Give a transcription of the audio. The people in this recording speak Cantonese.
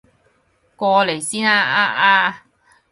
過嚟先啊啊啊